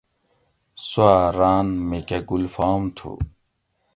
سوآں ران میکہ گلفام تھو